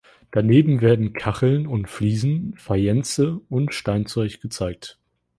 Daneben werden Kacheln und Fliesen, Fayence und Steinzeug gezeigt.